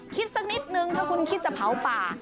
คิดสักนิดนึงถ้าคุณคิดจะเผาป่า